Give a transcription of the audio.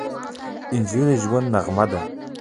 نجلۍ د ژونده نغمه ده.